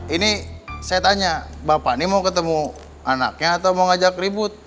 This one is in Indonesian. ini saya tanya bapak ini mau ketemu anaknya atau mau ngajak ribut